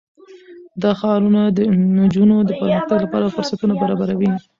دا ښارونه د نجونو د پرمختګ لپاره فرصتونه برابروي.